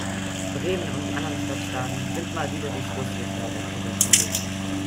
Bremen und die anderen Stadtstaaten sind mal wieder die Schlusslichter der PISA-Studie.